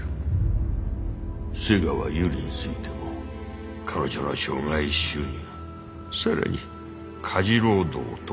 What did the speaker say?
瀬川ユリについても彼女の生涯収入更に家事労働等